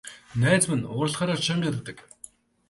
Найз маань уурлахаараа чанга ярьдаг.